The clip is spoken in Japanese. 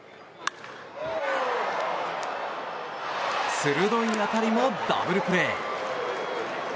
鋭い当たりもダブルプレー。